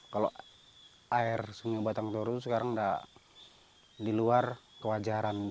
kalau air sungai batang toru sekarang sudah di luar kewajaran